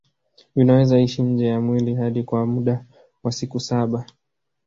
Vinaweza ishi nje ya mwili hadi kwa muda wa siku saba